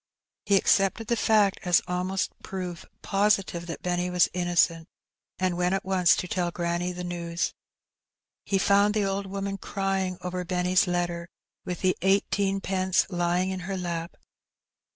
He accepted the fact as almost proof positive that Benny was innocent^ and went at once to tell granny the news. He found the old woman crying over Benny^s letter, with the eighteenpence lying in her lap.